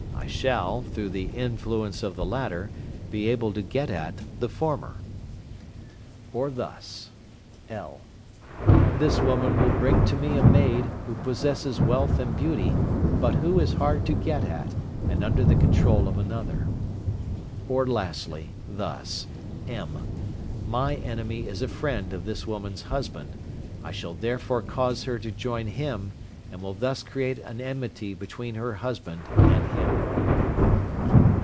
I shall, through the influence of the latter, be able to get at the former. Or thus: (l). This woman will bring to me a maid, who possesses wealth and beauty, but who is hard to get at, and under the control of another. Or, lastly, thus: (m). My enemy is a friend of this woman's husband, I shall therefore cause her to join him, and will thus create an enmity between her husband and him.